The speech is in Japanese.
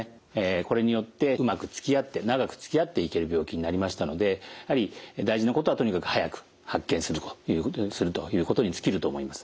これによってうまくつきあって長くつきあっていける病気になりましたので大事なことはとにかく早く発見するということに尽きると思います。